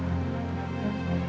ya pak adrian